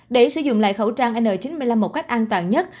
để sử dụng lại khẩu trang n chín mươi năm một cách an toàn nhất